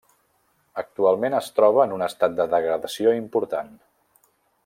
Actualment es troba en un estat de degradació important.